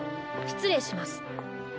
失礼します。